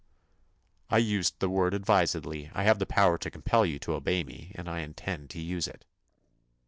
"I used the word advisedly. I have the power to compel you to obey me, and I intend to use it."